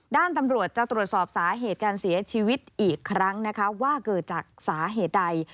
ด้านตำรวจจะตรวจสอบสาเหตุการเสียชีวิตอีกครั้งนะคะว่าเกิดจากสาเหตุใด